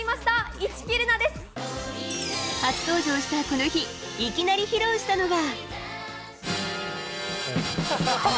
メン初登場したこの日、いきなり披露したのが。